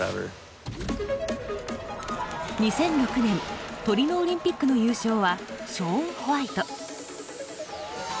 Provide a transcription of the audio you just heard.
２００６年トリノオリンピックの優勝はショーン・ホワイト。